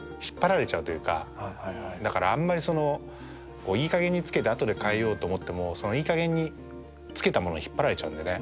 だからあんまりそのいいかげんに付けて後で変えようと思ってもそのいいかげんに付けたものに引っ張られちゃうんでね。